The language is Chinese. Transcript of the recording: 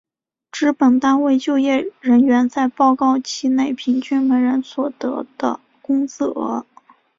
指本单位就业人员在报告期内平均每人所得的工资额。